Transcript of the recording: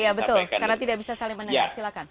iya betul karena tidak bisa saling mendengar silakan